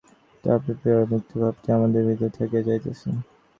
এ-সবই মানিয়া লইতে পারেন, তথাপি ঐ মুক্তির ভাবটি আমাদের ভিতর থাকিয়া যাইতেছে।